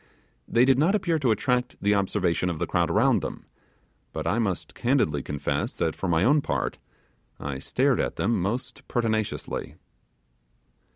They did not appear to attract the observation of the crowd around them, but I must candidly confess that for my own part, I stared at them most pertinaciously.